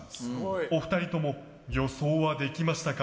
お二人とも予想はできましたか？